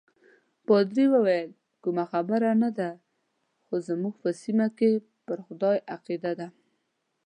پادري وویل: کومه خبره نه ده، خو زموږ په سیمه کې پر خدای عقیده.